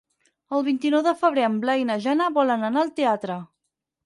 El vint-i-nou de febrer en Blai i na Jana volen anar al teatre.